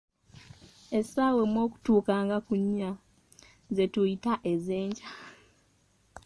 Essaawa emu okutuuka nga ku nnya, ze tuyita ez'enkya.